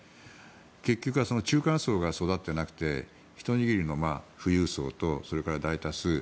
結局は中間層が育っていなくてひと握りの富裕層とそれから大多数